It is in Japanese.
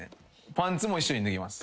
パンツも一緒に脱ぎます。